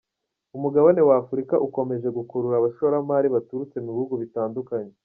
Umugabane w’Afurika ukomeje gukurura abashoramari baturutse mu bihugu bitandukanye.